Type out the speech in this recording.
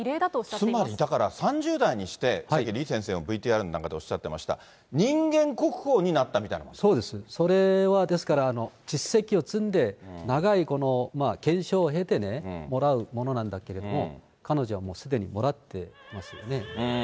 つまりだから、３０代にして李先生がＶＴＲの中でおっしゃってました、人間国宝そうです、それはですから、実績を積んで、長い検証を経てもらうものなんだけれども、彼女はもうすでにもらっていますよね。